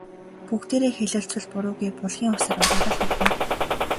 Бүгдээрээ хэлэлцвэл буруугүй, булгийн усаар угаавал хиргүй.